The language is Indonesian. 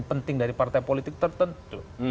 penting dari partai politik tertentu